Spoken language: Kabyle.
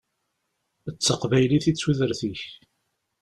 D taqbaylit i d tudert-ik.